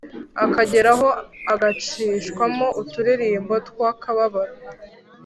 akageraho agacishamo uturirimbo twakababaro